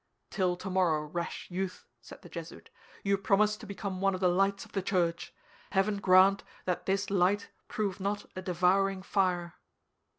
"Till tomorrow, rash youth," said the Jesuit. "You promise to become one of the lights of the Church. Heaven grant that this light prove not a devouring fire!"